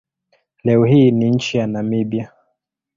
Leo hii ni nchi ya Namibia.